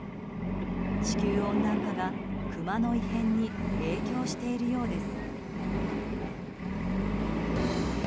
地球温暖化がクマの異変に影響しているようです。